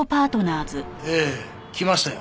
ええ。来ましたよ。